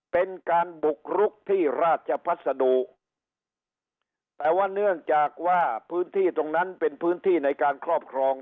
เป็นการบุกรุกที่ราชพัสดุแต่ว่าเนื่องจากว่าพื้นที่ตรงนั้นเป็นพื้นที่ในการครอบครอง